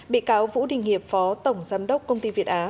bị cáo vũ đình hiệp phó tổng giám đốc công ty việt á